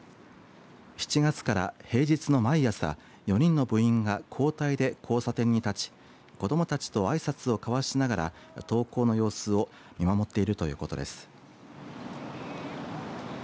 ７月から平日の毎朝４人の部員が交代で交差点に立ち子どもたちとあいさつを交わしながら登校の様子を見守っているということです。